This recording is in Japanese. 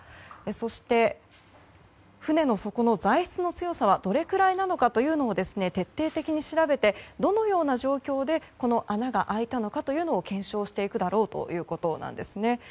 そして、船の底の材質の強さはどれぐらいなのかというのを徹底的に調べてどのような状況でこの穴が開いたのかというのを検証していくだろうということなんですね。